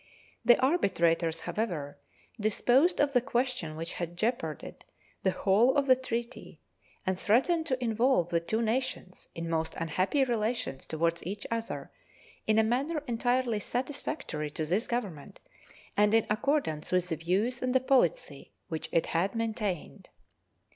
The arbitrators, however, disposed of the question which had jeoparded the whole of the treaty and threatened to involve the two nations in most unhappy relations toward each other in a manner entirely satisfactory to this Government and in accordance with the views and the policy which it had maintained.